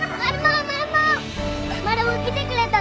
マルモ来てくれたの？